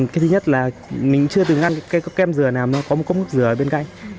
cái thứ nhất là mình chưa từng ăn kem dừa nào mà có một cốc nước dừa ở bên cạnh